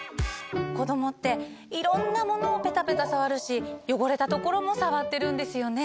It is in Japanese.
こどもっていろんなものをペタペタ触るし汚れた所も触ってるんですよね。